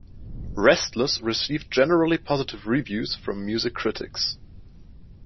Restless received generally positive reviews from music critics.